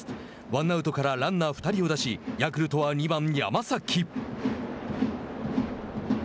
ワンアウトからランナー２人を出しヤクルトは２番、山崎。